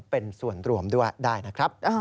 เป็นส่วนรวมด้วยได้นะครับ